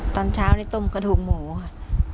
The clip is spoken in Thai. ตอนเช้านี่ต้มกระดูกหมูค่ะ